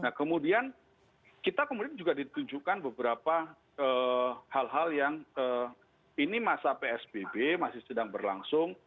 nah kemudian kita kemudian juga ditunjukkan beberapa hal hal yang ini masa psbb masih sedang berlangsung